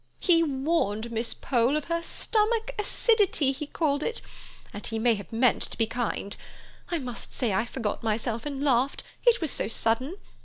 He warned Miss Pole of her stomach acidity, he called it—and he may have meant to be kind. I must say I forgot myself and laughed; it was so sudden.